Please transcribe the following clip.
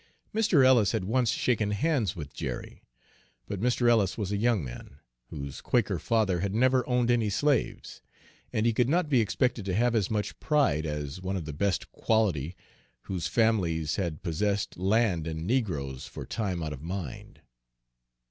Mr. Ellis had once shaken hands with Jerry, but Mr. Ellis was a young man, whose Quaker father had never owned any slaves, and he could not be expected to have as much pride as one of the best "quality," whose families had possessed land and negroes for time out of mind.